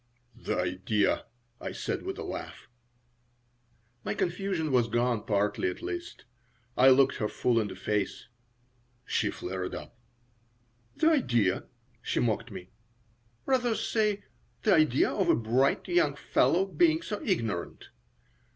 "The idea!" I said, with a laugh. My confusion was gone, partly, at least. I looked her full in the face She flared up. "The idea!" she mocked me. "Rather say, 'The idea of a bright young fellow being so ignorant!'